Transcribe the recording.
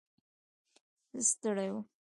زه ستړی وم.